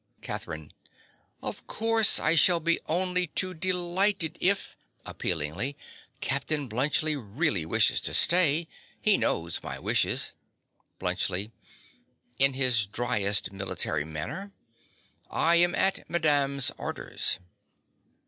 CATHERINE. Of course I shall be only too delighted if (appealingly) Captain Bluntschli really wishes to stay. He knows my wishes. BLUNTSCHLI. (in his driest military manner). I am at madame's orders.